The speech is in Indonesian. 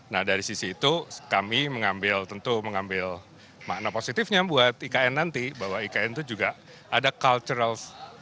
nah dari sisi itu kami mengambil tentu mengambil makna positifnya buat ikn nanti bahwa ikn itu juga ada cultural